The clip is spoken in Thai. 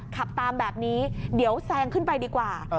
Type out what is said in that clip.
ขับตามแบบนี้เดี๋ยวแซงขึ้นไปดีกว่า